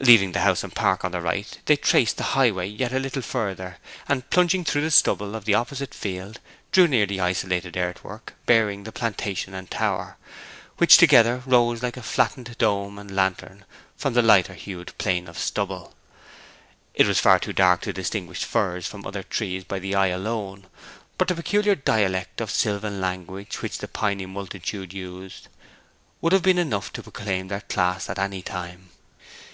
Leaving the house and park on their right they traced the highway yet a little further, and, plunging through the stubble of the opposite field, drew near the isolated earthwork bearing the plantation and tower, which together rose like a flattened dome and lantern from the lighter hued plain of stubble. It was far too dark to distinguish firs from other trees by the eye alone, but the peculiar dialect of sylvan language which the piny multitude used would have been enough to proclaim their class at any time.